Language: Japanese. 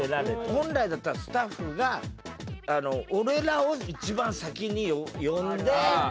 本来だったらスタッフが俺らを一番先に呼んで。